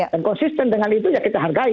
dan konsisten dengan itu ya kita hargai